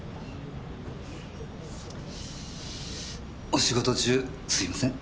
お仕事中すいません。